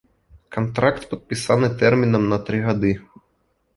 Кантракт падпісаны тэрмінам на тры гады.